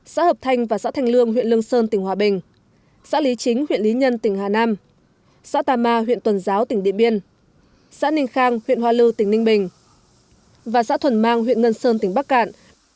xã hợp thanh và xã thanh lương huyện lương sơn tỉnh hòa bình xã lý chính huyện lý nhân tỉnh hà nam xã tà ma huyện tuần giáo tỉnh điện biên xã ninh khang huyện hoa lư tỉnh ninh bình và xã thuần mang huyện ngân sơn tỉnh bắc cạn